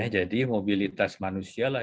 jadi mobilitas manusia lah